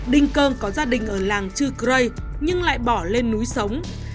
đinh cơn có gia đình ở làng chư crê nhưng lại bỏ lên núi sống